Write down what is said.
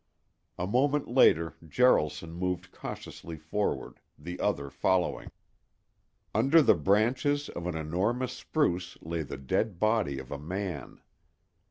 A moment later Jaralson moved cautiously forward, the other following. Under the branches of an enormous spruce lay the dead body of a man.